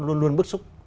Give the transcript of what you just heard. luôn luôn bức xúc